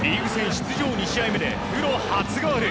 出場２試合目でプロ初ゴール。